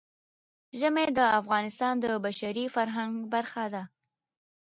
ژمی د افغانستان د بشري فرهنګ برخه ده.